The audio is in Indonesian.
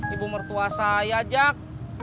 ibu mertua saya jak